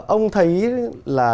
ông thấy là